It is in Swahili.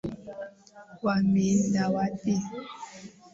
Wameenda wapi?